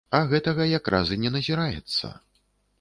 А гэтага якраз і не назіраецца.